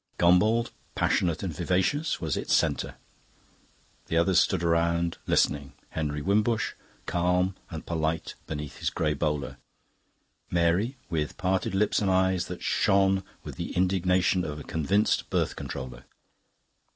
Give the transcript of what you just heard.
Gombauld, passionate and vivacious, was its centre. The others stood round, listening Henry Wimbush, calm and polite beneath his grey bowler; Mary, with parted lips and eyes that shone with the indignation of a convinced birth controller.